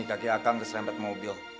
kaki akang keserempet mobil